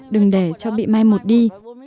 đừng để cho bị mai một đi